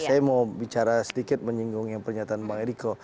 saya mau bicara sedikit menyinggung yang pernyataan bang eriko